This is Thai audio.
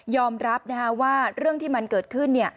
รับว่าเรื่องที่มันเกิดขึ้น